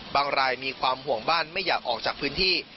รายมีความห่วงบ้านไม่อยากออกจากพื้นที่